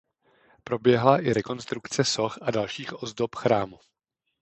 Proběhla i rekonstrukce soch a dalších ozdob chrámu.